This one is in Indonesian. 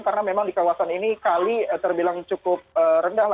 karena memang di kawasan ini kali terbilang cukup rendah